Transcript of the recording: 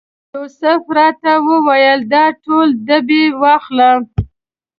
یوسف راته وویل دا ټول ډبې واخله.